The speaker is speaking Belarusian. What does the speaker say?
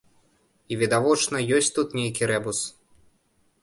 І, відавочна, ёсць тут нейкі рэбус.